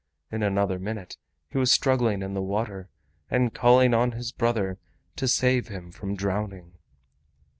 In another minute he was struggling in the water and calling on his brother to save him from drowning.